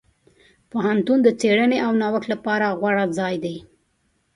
پوهنتون د څېړنې او نوښت لپاره غوره ځای دی.